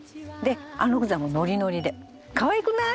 安禄山もノリノリでかわいくない？